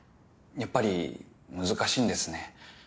やっぱり難しいんですね。